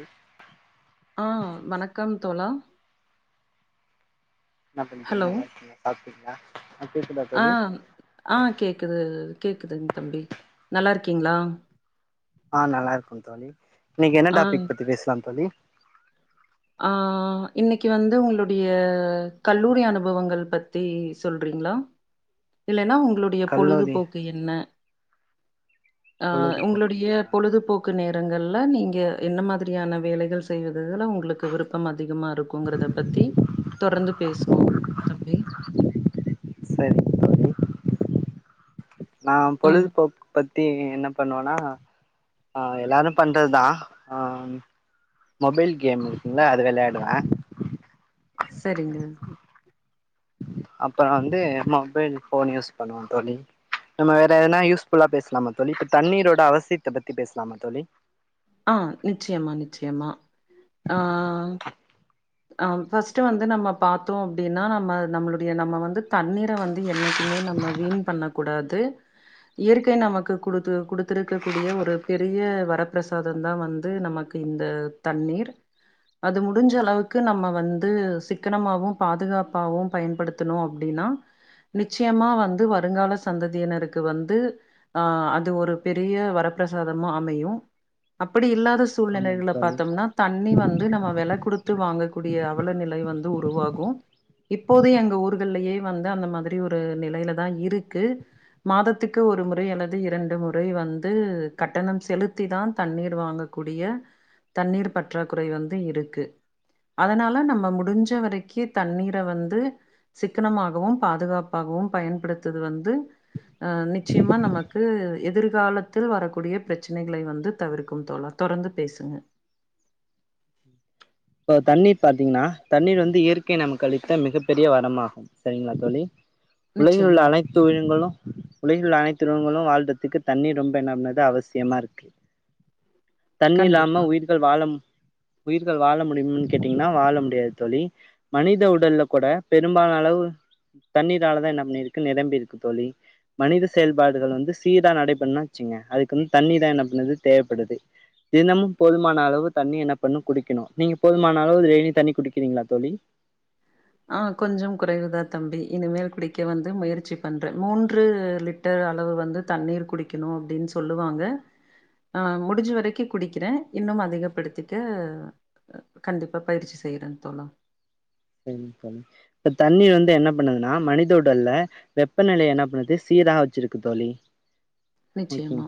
ம் ஆ வணக்கம் தோழா என்ன பண்றீங்க ஹலோ. நல்லா இருக்கிளா சாப் ல்லா ஆ ஆ கேக்குது கேக்குதுங்க தம்பி நல்லா இருக்கீங்களா ஆ நல்லா இருக்கு தோழி இன்னிக்கு என்ன ஆ, டாபிக் பத்தி பேசலா தோழி ஆ இன்னிக்கு வந்து உங்களுடைய கல்லூரி அனுபவங்கள் பத்தி சொல்றீங்களா இல்லன்னா உங் ங்ளுடைய கல்லூரி பொழுதுபோக்கு என்ன அ உங்களுடைய பொழுதுபோக்குங்களா பொழுதுபோக்கு நேரங்கள் ல்லா நீங்க என்ன மாதிரியான வேலைகள் செய்வதுல உங்களு த்து விருப்பம் அதிகமா இருக்குங்கிறத பத்தி தொர்ந்து பேசுவோ தம்பி சரி தோழி நா ம் பொழுதுபோக்கு பத்தி என்ன பண்ணுவனா ஆ எல்லாரு பண்றதுதா அ மொபைல் கேம் இருக்குங்ல்ல அது விளையாடுவே சரிங்க அப்ப வந்து மொபைல் ஃபோன் யூஸ் பண்ணுவோ தோழி நம்ம வேற எதனா யூஸ் ஃபுல்லா பேசலாமா தோழி இப்ப தண்ணீரோட அவசியத்த பத்தி பேசலாமா தோழி ஆ நிச்சயமா நிச்சயமா ஆ அ பஸ்ட் வந்து நம்ம பாத்தோ அப்பிடின்னா நம்ம நம்மளுடைய நம்ம வந்து தண்ணீர வந்து என்னைக்குமே நம்ம வீண் பண்ண கூடாது இயற்கை நமக்கு குடுத்து குடுத்திருக்க கூடிய ஒரு பெரிய வரப்பிரசாத தா வந்து நமக்கு இந்த தண்ணீர் அது முடிஞ்ச அளவுக் க்கு நம்ம வந்து சிக்கனமாவு பாதுகாப்பாவு பயன்படுத்தணு அப்பிடின்னா நிச்சயமா வந்து வருங்கால சந்ததியினருக்கு வந்து அ அது ஒரு பெரிய வரப்பிரசாதமா அமையு அப்பிடி இல்லா த்து ஆமாம் சூழ்நிலைகள தோழி பாத்தோம்னா தண்ணி வந்து நம்ம வெல குடுத்து ங்க கூடிய அவல நிலை வந்து உருவாகு இப்போது எங்க ஊர்கள்லியே வந்து அந்த மாதிரி ஒரு நிலையில தா இருக்கு மாதத்துக்கு ஒரு முறை அல்லது இரண்டு முறை வந்து கட்டணம் செலுத்திதான் தண்ணீர் வாங்கக்கூடிய தண்ணீர் பற்றாக்குறை வந்து இருக்கு அதனால நம்ம முடிஞ்ச வரைக் தண்ணீர வந்து த்து சிக்கனமாகவும் பாதுகாப்பாகவும் பயன்படுத்தது வந்து அ நிச்சயமா நமக்கு எதிர்கால த்தில் வரக்கூடிய பிரச்சனைகளை வந்து தவிர்க்கு தோழா தொடர்ந்து பேசுங்க இப்ப தண்ணீர் பாத்தீங்கன்னா தண்ணீர் வந்து இயற்கையை நமக்கு அளித்த மிகப் பெரிய வரம்மாகும் சரிங்களா தோழி உலகில் உள்ள நிச்சயமா அனைத்து உயினங்களு உலகில் உள்ள அனைத்து விலங்களு வாழ்றதுக்கு தண்ணிர் ரொம்ப என்ன பண்ணுது அவசியமா இருக்கு தண்ணி இல்லாம கண்டிப்பா உயிர்கள் வாழ உயிர்கள் வாழ முடியும்னு கேட்டீங்கன்னா வாழ முடியாது தோழி மனித உடல்ல கூட பெரும்பால அளவு தண்ணீராலதா என்ன பண்ணிருக்கு நிரம்பி இருக்கு தோழி மனித செயல்பாடுகள் வந்து சீரா நடை பண்ணுன்ன வச்சுங்க அதுக்கு வந்து தண்ணிதா என்ன பண்ணது தேவைப்படுது தினமும் போதுமான அளவு தண்ணீ என்ன பண்ணு குடி க்கினு நீங்க போதுமானா அளவு டெய்லி தண்ணி குடிக்கிறீங்களா தோழி ஆ கொஞ்சம் குறைவுதா தம்பி இனிமேல் குடிக்க வந்து முயற்சி பண்றேன் மூன்று லிட்டர் அளவு வந்து தண்ணீர் குடிக்கணும் அப்டின் சொல்லுவாங்க ஆ முடிஞ்ச வரைக்கும் குடிக்கிறே இன்னும் அதிகப்படுத்திக்க கண்டிப்பா பயிற்சி செய்யறன் தோழா இப்ப தண்ணீ வந்து என்ன பண்ணுதுன்னா மனித உடல்ல வெப்பநிலய என்ன பண்ணுது சீரா வச்சிருக்கு தோழி ஓகேங்க நிச்சயமா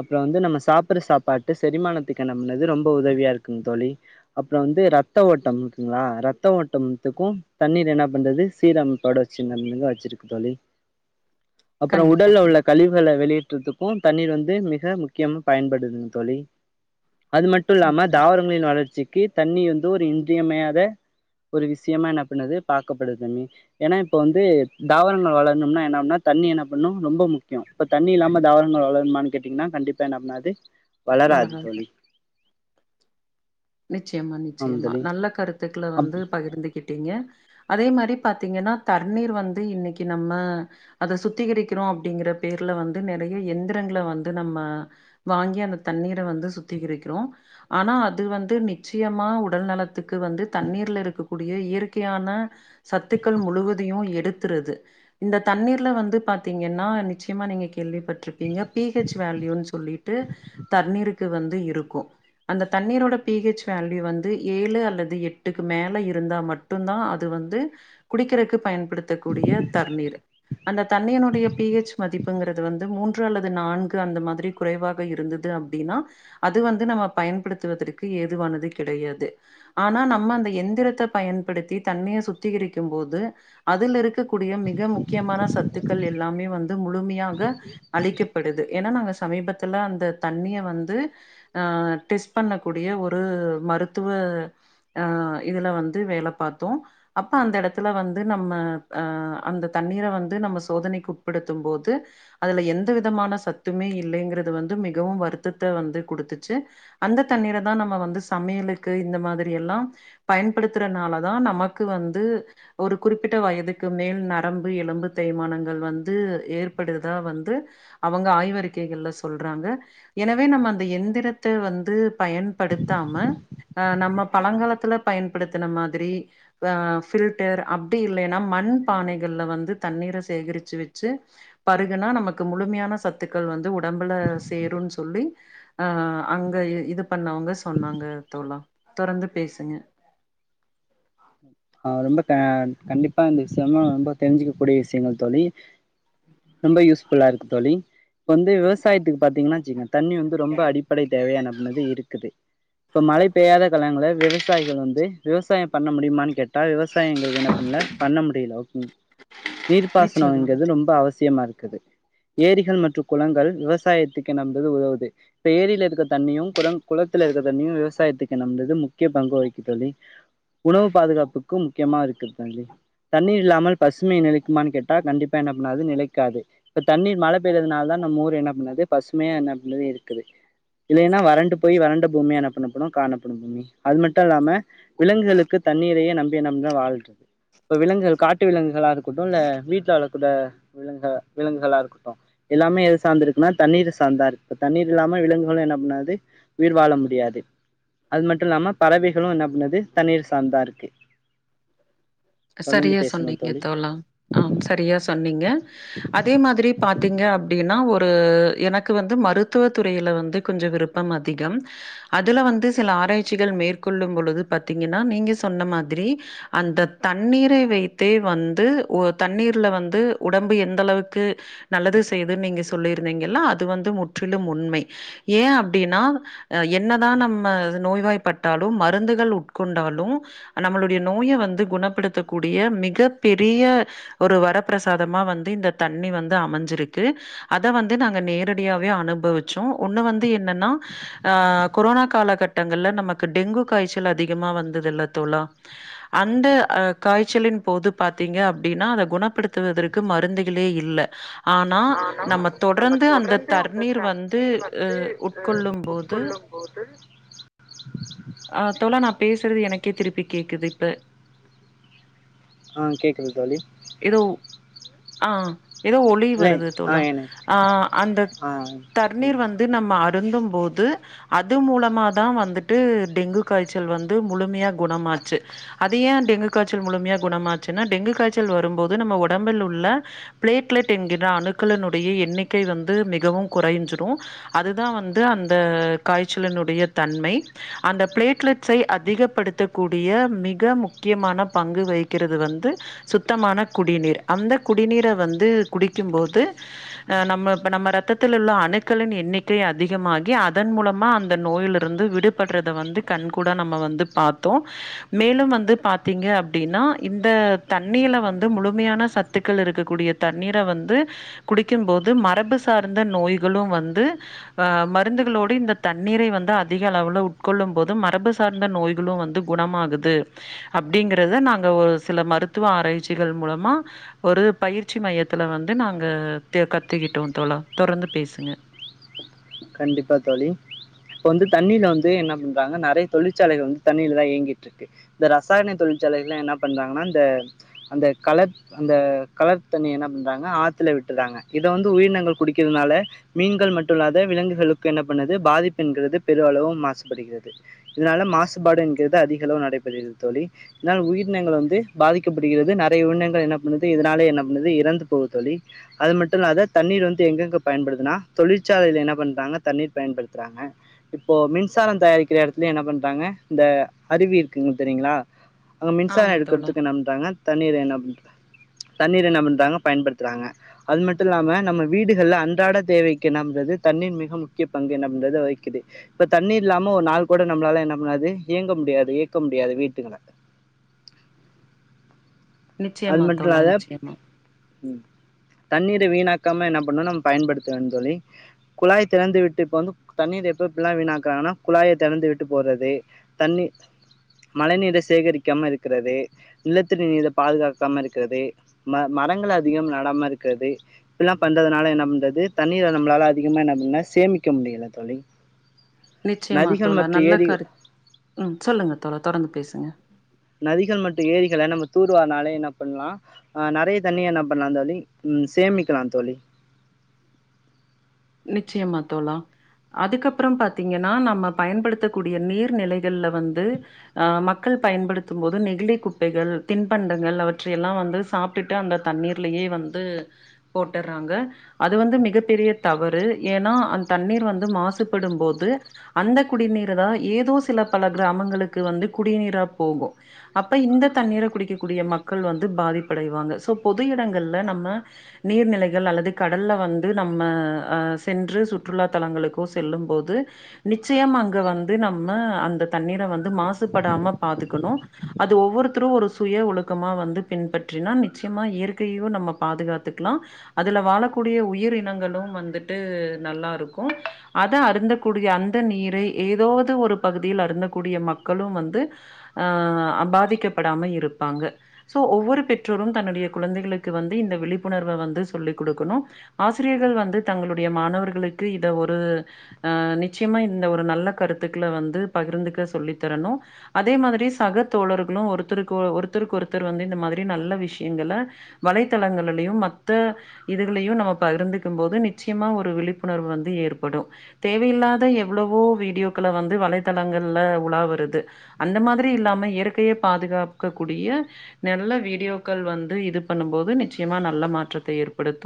அப்புறம் வந்து நம்ம சாப்பற சாப்பாட்ட செரிமானத்துக்கு என்ன பன்னுது ரொம்ப உதவியா இருக்குங் தோழி அப்புறம் வந்து ரத்த ஓட்டம் கிங்களா ரத்த ஓட்டம்த்துக்கும் தண்ணீர் என்ன பண்றது சீரம்பாட வச்சினங்க வச்சிருக்கு தோழி அப்புறம் கண்டிப்பா உடல்ல கண் உள்ள கழிவுகள வெளியே ற்றத்துக்கும் தண்ணீர் வந்து மிக முக்கியமா பயன்படுதுங்க தோழி அது மட்டு இல்லாம சரிங்க தாவரங்களின் வளர்ச்சி க்கி தண்ணி வந்து ஒரு இன்றியமையா த ஒரு விஷியமா என்ன பண்ணுது பாக்கப்படுதுமே ஏன்னா இப்ப வந்து தாவரங்கள் வளரணும்னா என்ன பன்னா தண்ணி என்ன பண்ணும் ரொம்ப முக்கியம் இப்ப தண்ணி இல்லாம தாவரங்கள் வளருமான்னு கேட்டீங்கன்னா கண்டிப்பா என்ன பண்ணாது வளராது தோழி நிச்சயமா ஆம் நிச்சயமா தோழி நல்ல கருத்துக்கள அப் வந்து பகிர்ந்துக்கிட்டிங்க அதே மாரி பாத்தீங்கன்னா தண்ணீர் வந்து இன்னைக்கு நம்ம அத சுத்திகரிக்கிறோம் அப்டிங்கிற பேர்ல வந்து நெறையா எந்திரங்கள வந்து நம்ம வாங்கி அந்த தண்ணீர வந்து சுத்திகரிக்கிறோ ஆனா அது வந் து நிச்சயமா உடல் நலத்துக்கு வந்து தண்ணீர்ல இருக்கக்கூடிய இயற்கையான சத்துக்கள் முழுவதையும் எடுத்துருது இந்த தண்ணீர்ல வந்து பாத்தீங்கன்னா நிச்சயமா நீங்க கேள்விப்பட்டுருப்பீங்க பிஹெச் வேல்யுன் சொல்லிட்டு தண்ணீருக்கு வந்து இருக்கும் அந்த தண்ணீர் பிஹெச் வேல்யூ வந் து ஏழு அல்லது எட்டுக்கு மேல இருந்தா மட்டும்தா அது வந்து குடிக்கிறக்கு பயன்படுத்தக்கூடிய தண்ணீர் அந்த தண்ணியினுடைய பிஹெச் மதிப் புங்கிறது வந்து மூன்று அல்லது நான்கு அந்த மாதிரி குறைவாக இருந்தது அப்டின்னா அது வந்து நம்ம பயன்படுத்துவதற் கு ஏதுவானது கெடையாது ஆனா நம்ம அந்த எந்திரத்த பயன்படுத்தி தண்ணிய சுத்திகரிக்கும் போது அதுல இருக்க கூடிய மிக முக்கியமான சத் துக்கள் எல்லாமே வந்து முழுமையாக அழிக்கப்படுது ஏன்னா நாங்க சமீபத்துல அந்த தன்மைய வந்து ஆ டெஸ்ட் பண்ண கூடிய ஒரு மருத்துவ ஆ இதுல வந்து வேல பாத்தோம் அப்ப அந்த எடத்துல வந்து நம்ம ஆ அந்த தண்ணீர வந்து நம்ம சோதனைக்கு உட்படுத்தும் போது அதுல எந்த விதமான சத்துமே இல்லைங்கிறது வந்து மிகவும் வருத்தத்த வந்து குடுத்துச்சி அந்த தண்ணீர தா நம்ம வந்து சமையலுக்கு இந்த மாதிரி எல்லாம் பயன்படுத்துறனாலதா நமக்கு வந்து ஒரு குறிப்பிட்ட வயதுக்கு மேல் நரம்பு எலும்பு தேய்மானங்கள் வந்து ஏற்படுதா வந்து அவங்க ஆய்வறிக்கைகள்ல சொல்றாங்க எனவே நம்ம அந்த எந்திரத்த வந்து பயன்படுத்தாம ஆ நம்ம பழங்காலத்துல பயன்படுத்துன மாதிரி ஆ பில்டர் அப்டி இல்லைன்னா மண் பானைகள்ல வந்து தண்ணீர சேகரிச்சி வச்சி பருகுனா நமக்கு முழுமையான சத்துக்கள் வந்து உடம்புல சேருன்னு சொல்லி ஆ அங்க இது பண்ணவங்க சொன்னாங்க தோழா தொடர்ந்து பேசுங்க ஆ ரொம்ப கண்டிப்பா இந்த விஷியமா ரொம்ப தெரிஞ்சிக்க கூடிய விஷியங்கள் தோழி ரொம்ப யூஸ்ஃபுல்லா இருக்கு தோழி இப்ப வந்து விவசாயத்துக்கு பாத்தீங்கன்னா ஜிங்கன் தண்ணி வந்து ரொம்ப அடிப்படை தேவையான என்னா பன்னுது இருக்குது இப்ப மழை பெய்யாத காலங்கள விவசாயிகள் வந்து விவசாயம் பண்ண முடியுமான்னு கேட் ட்டா விவசாயிங்கள் தினத்துல பண்ணமுடில ஓகே நிச்சயமா நீர்ப்பாசனொங்கிறது ரொம்ப அவசியமா இருக் குது ஏரிகள் மற்று குளங்கள் விவசாயத்துக்கு என்னாம் தது உதவுது இப்ப ஏரில இருக்க தண்ணியு குர குளத்துல இருக்க தண்ணியு விவசாயத்துக்கு என்ன வந்தது முக்கிய பங்கு வகிக்கு தோழி உணவு பாதுகாப்புக்கு முக்கியமா இருக்கு தோழி தண்ணீர் இல்லாமல் பசுமை நிலைக்குமான் கேட்டா கண்டிப்பா என்ன பண்ணாது நிலைக்காது இப்ப தண்ணீர் மழ பெய்றதுனால தா நம்ம ஊர் என்ன பண்ணுது பசுமையா என்ன பண்ணுது இருக்குது இல்லைனா வறண்டு போய் வறண்ட பூமியா என்ன பண்ணப்படு காணப்படு பூமி அது மட்டு‌ இல்லாம விலங்குகளுக் கு தண்ணீரையே நம்பி நம்ள வாழ்ற அப்ப விலங்குகள் காட்டு விலங்குகளா இரு க்கட்டுல்ல வீட்ல வள க்குத விலங்கு விலங்குகளா இருக்கட்டு எல்லாமே எது சாந்து இருக்குனா தண்ணீர சாந்துதா இருக்கு இப்ப தண்ணீர் இல்லாம விலங்குகளு என்ன பண்ணாது உயிர் வாழ முடியாது அது மட்டுல்லாம பறவைகளு என்ன பண்ணது தண்ணீர சாந்தா இருக்கு தொடர்ந்து சரியா பேசுங்கள் சொன்னீங்க தோழி தோழா ஆம் சரியா சொன்னீங்க அதே மாதிரி பா த்தீங்க அப்டின்னா ஒரு எனக்கு வந்து மருத்துவ துறையில வந்து கொஞ்சொ விருப்பம் அதிகம் அதுல வந்து சில ஆராய்ச்சிகள் மேற்கொள்ளும் பொழுது பாத்தீங்கன்னா நீங்க சொன்ன மாதிரி அந்த தண்ணீரை வைத்தே வந்து ஒ தண்ணீர்ல வந்து உடம்பு எந்தளவுக்கு நல்லது செய்துன் நீங்க சொல்லிருந்திங்கல்ல அது வந்து முற்றிலும் உண்மை ஏ அப்டின்னா என்னதா நம்ம நோய்வாய்பாட்டாலு மருந்துகள் உட்கொண்டாலு நம்மளுடைய நோய வந்து குண ப்படுத்தக்கூடிய மிகப் பெரிய ஒரு வரப்பிரசாதமா வந்து இந்த தண்ணி வந்து அமஞ்சிருக்கு அத வந்து நாங்க நேரடியாவே அனுபவிச்சோ ஒன்னு வந்து என்னன்னா ஆ கொரோனா காலகட்டங்கள்ல நமக்கு டெங்கு காய்ச்சல் அதிகமா வந்ததுல்ல தோழா அந்த அ காய்ச்சலின் போது பாத்தீங்க அப்டின்னா அத குணப்படுத்துவதற்கு மருந்துகளே இல்ல ஆனா நம்ம தொடர்ந்து அந்த தர்ணீர் வந்து அ உட்கொள்ளும் போது அ தோழா நா பேசுறது எனக் கே திருப்பி கேக்குதிப்ப ஆ கேக்குது தோழி ஏதோ ஆ எதோ ஒலி இல்லை வருது ஆ தோழா என ஆ அந்த ஆ தர்ணீர் ம் வந்து நம்ம அ ருந்தும் போது அது மூலமா தா வந்துட்டு டெங்கு காய்ச்சல் வந்து முழுமையா குணமாச்சு அத ஏ டெங்கு காய்ச்சல் முழுமையா குணமாச்சுன்னா டெங்கு காய்ச்சல் வரும்போது நம்ம உடம்பில் உள்ள பிளேட்லெட் என்கின்ற அணுக்களினுடைய எண்ணிக்கை வந்து மிகவு குறைஞ்சிரு அதுதா வந்து அந்த காய்ச்சலினுடைய தன்மை அந்த பிளேட்லெட்ஸை அதிகப்படுத்தக்கூடிய மிக முக்கியமான பங்கு வகிக்கிறது வந்து சுத்தமான குடிநீர் அந்த குடிநீர வந்து குடிக்கும்போது அ நம்ம இப்ப நம்ம ரத்தத்தில் உள்ள அணுக்களின் எண்ணிக்கை அதிகமாகி அதன் மூலமா அந்த நோயிலருந்து விடுபட்றத வந்து கண்கூட் நம்ம வந்து பாத்தோ மேலும் வந்து பாத்தீங்க அ ப்டின்னா இந்த தண்ணீல வந்து முழுமையான சத்துக்கள் இருக்கக்கூடிய தண்ணீர வந்து குடிக்கும்போது மரபு சார்ந்த நோய்களு வந்து அ மருந்துகளோடு இந்த தண்ணீரை வந்து அதிகளவுல உட்கொள்ளும் போது மரபு சார்ந்த நோய்களு வந்து குணமாகுது அப்டிங்கி றத நாங்க ஒரு சில மருத்துவ ஆராய்ச்சிகள் மூலமா ஒரு பயிற்சி மையத்துல வந்து நாங்க தெ கத்துக்கிட்டோ தோழா தொரந்து பேசுங்க கண்டிப்பா தோழி இப்ப வந்து தண்ணில வந்து என்ன பண்றாங்க நறைய தொழிற்சாலைக வந்து தண்ணில தா இயங்கிட்ருக்கு இந்த ரசாயன தொழிற்சாலைகள்லா என்னா பண்றாங்கனா இந்த அந்த கலர் அந்த கலர் தண்ணி என்ன பண்றாங்க ஆத்துல விட்டுர்றாங்க இத வந்து உயிரினங்கள் குடிக்கிறதுனால மீன்கள் மட்டு இல்லா த விலங்குகளுக்கு என்ன பண்ணுது பாதிப்பென்கிறது பெரு அளவு மாசுபடுகிறது இதுனால மாசுபாடு என்கிறது அதிகளவு நடைபெறுகிறது தோழி இருந்தாலு உயிரனங்கள் வந்து பாதிக்கப்படுகிறது நெறைய உயிரினங்கள் என்ன பண்ணுது இதுனாலே என்ன பண்ணுது இறந்து போது தோழி அது மட்டு இல்லாத தண்ணீர் வந்து எங்கெங்க பயன்படுதுனா தொழிற்சாலைல என்ன பண்றாங்க தண்ணீர் பயன்படுத்துறாங்க இப்போ மின்சாரம் தயாரிக்கிற எடத்துலயு என்ன பண்றாங்க இந்த அருவி இருக்குங்க தெரியுங்களா அங்க மின்சார ஆமா தோழா எடுக்கற்துக்கு என்ன பண்றாங்க தண்ணீர் என்ன பண்ற தண்ணீர் என்னபன்றாங்க பயன்படுத்துறாங்க அது மட்டுல்லாம நம்ம வீடுகள்ல அன்றாட தேவைக்கு என்ன பன்றது தண்ணீர் மிக முக்கிய பங்கு என்ன பண்றது வகிக்குது இப்ப தண்ணீர் இல்லாம ஒரு நாள் கூட நம்ளால என்ன பண்ணாது இயங்க முடியாது இயக்க முடியாது வீட்டுங்கள நிச்சயமா தோழா நிச்சயமா தண்ணீரை வீணாக்காம என்ன பண்ணு நம்ம பயன்படுத்துவேன் தோழி குழாய் திறந்து விட்டு இப்ப வந்து தண்ணீர எப்ப எப்புல்லா வீணாக்குறாங்கனா குழாய தெறந்து விட்டு போறது தண்ணி மழை நீீர சேகரிக்காம இருக்கிறது நிலத்தடி நீர பாதுகாக்காம இருக்கிறது ம மரங்கள் அதிகம் நடாம இருக்குறது இப்புல்லா பண்றதுனால என்ன பண்றது தண்ணீர நம்ளால அதிகமா என்ன பண்ண சேமிக்க முடியல தோழி நிச்சயமா நதிகள் தோழா மற்றும் நல்ல ஏரி கரு ம் சொல்லுங்க தோழா தொடர்ந்து பேசுங்க நதிகள் மட்டு ஏரிகள நம்ம தூர்வார்னாலே என்ன பண்லா ஆ நறைய தண்ணிய என்ன பண்லா தோழி ம் சேமிக்கலா தோழி நிச்சயமா தோழா அதுக்கப்றோ பாத்தீங்கன்னா நம்ம பயன்படுத்தக்கூடிய நீர்நிலைகள்ல வந்து ஆ மக்கள் பயன்படுத்தும் போது நெகிழி குப்பைகள் தின்பண்டங்கள் அவற்றையெல்லா வந்து சாப்டுட்டு அந்த தண்ணீர்லயே வந்து போட்டர்றாங்க அது வந்து மிகப்பெரிய தவறு ஏன்னா அந்த தண்ணீர் வந்து மாசுபடும்போது அந்த குடிநீர தா ஏதோ சில பல கிராமங்களுக்கு வந்து குடிநீரா போகு அப்ப இந்த தண்ணீர குடிக்கக்கூடிய மக்கள் வந்து பாதிப்படைவாங்க சோ பொது இடங்கள்ல நம்ம நீர்நிலைகள் அல்லது கடல்ல வந்து நம்ம சென்று சுற்றுலா தலங்களுக்கோ செல்லும் போது நிச்சயம் அங்க வந்து நம்ம அந்த தண்ணீர வந்து மாசுபடாம பாதுக்கணு அது ஒவ்வொருத்தரு ஒரு சுய ஒழுக்கமா வந்து பின்பற்றினா நிச்சயமா இயற்கையையு நம்ம பாதுகாத்துக்கலா அதுல வாழக்கூடிய உயிர்னங்களு வந்து வந்துட்டு நல்லா இருக்கு அத அருந்தக்கூடிய அந்த நீரை ஏதாவது ஒரு பகுதியில அருந்தக்கூடிய மக்களு வந்து அ பாதிக்கப்படாம இருப்பாங்க சோ ஒவ்வொரு பெற்றோரு தன்னுடைய குழந்தைகளுக்கு வந்து இந்த விழிப்புணர்வ வந்து சொல்லிக் குடுக்கணு ஆசிரியர்கள் வந்து தங்களுடைய மாணவர்களுக்கு இத ஒரு அ நிச்சியமா இந்த ஒரு நல்ல கருத்துக்கள வந்து பகிர்ந்துக்க சொல்லித்தரணு அதே மாதிரி சக தோழர்களு ஒருத்தருக்கு ஒருத்தருக்கு ஒருத்தர் வந்து இந்த மாதிரி நல்ல விஷயங்கள வலைத்தளங்களலையு மத்த இதுகளையு நம்ம பகிர்ந்துக்கும் போது நி நிச்சியமா ஒரு விழிப்புணர்வு வந்து ஏற்படு தேவையில்லாத எவ்வளவோ வீடியோக்கள வந்து வலைத்தளங்கள்ல உலா வருது அந்த மாதிரி இல்லாம இயற்கைய பாதுகாக்கக்க கூடிய நல்ல வீடியோக்கள் வந்து இது பண்ணும்போது நிச்சியமா நல்ல மாற்றத்த ஏற்படுத்து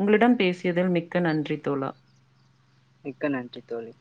உங்களிட பேசியதில் மிக்க க்க நன்றி தோழா மிக்க நன்றி தோழி